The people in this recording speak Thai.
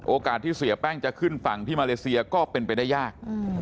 โอกาสที่เสียแป้งจะขึ้นฝั่งที่มาเลเซียก็เป็นไปได้ยาก